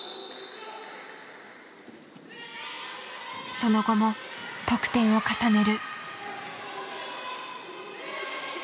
その後も得点を重ねる。